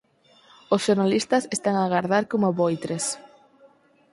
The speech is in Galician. Os xornalistas están a agardar coma voitres.